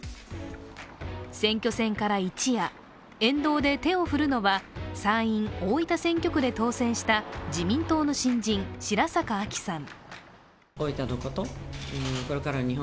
選挙戦から一夜、沿道で手を振るのは参院大分選挙区で当選した自民党の新人、白坂亜紀さん。